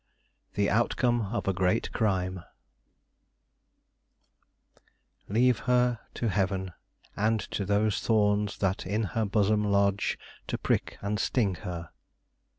THE OUTCOME OF A GREAT CRIME "Leave her to Heaven And to those thorns that in her bosom lodge To prick and sting her."